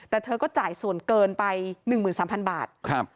แต่เธอก็จ่ายส่วนเกินไป๑๓๐๐๐บาท